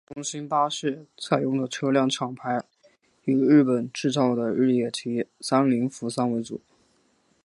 中兴巴士采用的车辆厂牌以日本制造的日野及三菱扶桑为主。